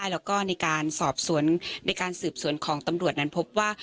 แล้วก็ในการสอบสวนในการสืบสวนของตำรวจนั้นพบว่า